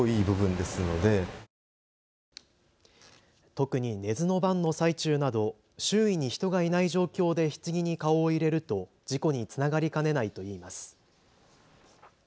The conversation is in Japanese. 特に寝ずの番の最中など周囲に人がいない状況でひつぎに顔を入れると事故につながりかねないといいます。